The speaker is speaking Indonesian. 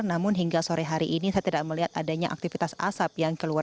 namun hingga sore hari ini saya tidak melihat adanya aktivitas asap yang keluar